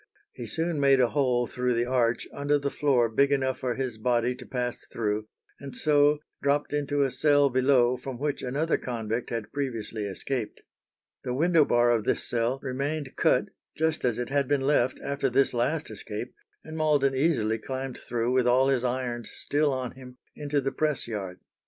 He soon made a hole through the arch under the floor big enough for his body to pass through, and so dropped into a cell below from which another convict had previously escaped. The window bar of this cell remained cut just as it had been left after this last escape, and Malden easily climbed through with all his irons still on him into the press yard.